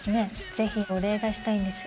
ぜひお礼がしたいんです。